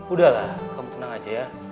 udahlah kamu tenang aja ya